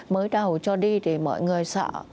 mới đầu cho đi thì mọi người sợ